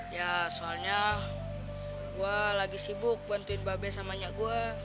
ya soalnya gue lagi sibuk bantuin mbak bes sama nyak gue